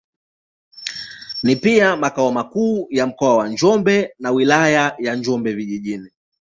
Ni pia makao makuu ya Mkoa wa Njombe na Wilaya ya Njombe Vijijini.